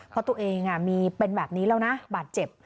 เพราะตัวเองมีเป็นแบบนี้แล้วนะบาดเจ็บ